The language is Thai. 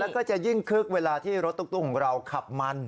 แล้วก็จะยิ่งคึกเวลาที่รถตุ๊กของเราขับมัน